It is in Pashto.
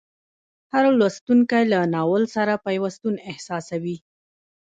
هر لوستونکی له ناول سره پیوستون احساسوي.